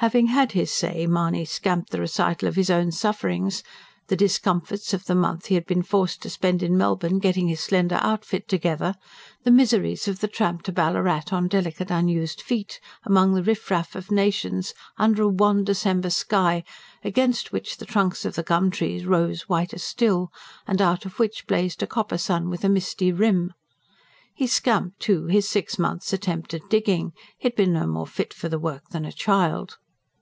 Having had his say, Mahony scamped the recital of his own sufferings: the discomforts of the month he had been forced to spend in Melbourne getting his slender outfit together; the miseries of the tramp to Ballarat on delicate unused feet, among the riff raff of nations, under a wan December sky, against which the trunks of the gum trees rose whiter still, and out of which blazed a copper sun with a misty rim. He scamped, too, his six months' attempt at digging he had been no more fit for the work than a child.